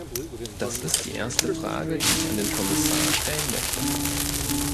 Das ist die erste Frage, die ich an den Kommissar stellen möchte.